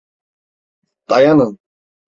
Dayanın!